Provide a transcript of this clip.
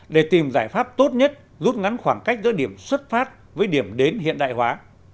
để tìm giải pháp tốt nhất rút ngắn khoảng cách giữa điểm xuất phát với điểm đến hiện đại hóa